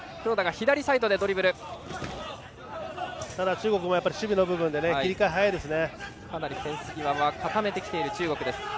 中国も守備の部分で切り替え、早いですね。